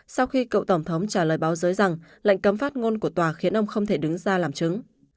sau khi cựu tổng thống trả lời báo giới rằng lệnh cấm phát ngôn của tòa khiến ông không thể đứng ra làm chứng